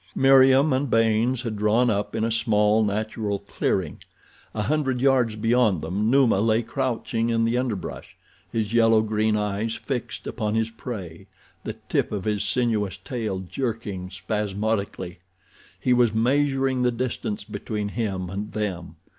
Meriem and Baynes had drawn up in a small, natural clearing. A hundred yards beyond them Numa lay crouching in the underbrush, his yellow green eyes fixed upon his prey, the tip of his sinuous tail jerking spasmodically. He was measuring the distance between him and them.